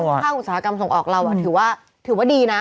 ค่าอุตสาหกรรมส่งออกเราถือว่าดีนะ